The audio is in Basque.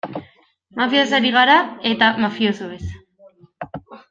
Mafiaz ari gara, eta mafiosoez.